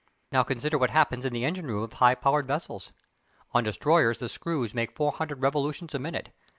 Now consider what happens in the engine room of high powered vessels. On destroyers the screws make 400 revolutions a minute.